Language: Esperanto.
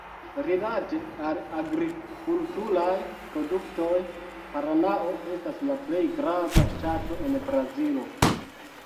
Rilate al agrikulturaj produktoj, Paranao estas la plej grava ŝtato de Brazilo.